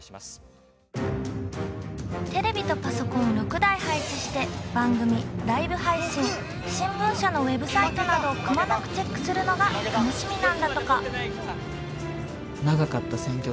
テレビとパソコンを６台配置して番組ライブ配信新聞社のウェブサイトなどをくまなくチェックするのが楽しみなんだとか。